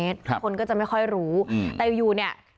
ทุกคนก็จะไม่ค่อยรู้